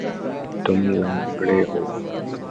تم لنگڑے ہو